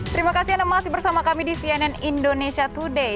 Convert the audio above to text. terima kasih anda masih bersama kami di cnn indonesia today